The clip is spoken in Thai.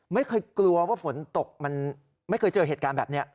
ไม่เคยกลัวว่าฝนตกมันไม่เคยเจอเหตุการณ์แบบนี้